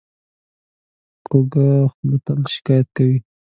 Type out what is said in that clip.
کوږه خوله تل شکایت کوي